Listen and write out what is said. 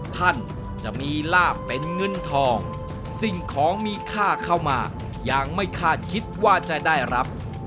ท่านจะมีลาบเป็นเงินทองสิ่งของมีค่าเข้ามายังไม่คาดคิดว่าจะได้รับ